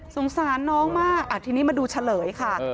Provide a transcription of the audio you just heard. สงสารน้องมากทีนี้มาดูเฉลยค่ะ